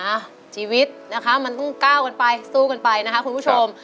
อ่ะชีวิตนะคะมันต้องก้าวกันไปสู้กันไปนะคะคุณผู้ชม